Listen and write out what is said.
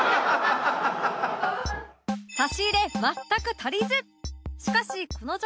差し入れ全く足りず！